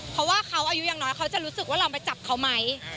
เพราะว่าเขาอายุยังน้อยเขาจะรู้สึกว่าเรามาจับเขาไหม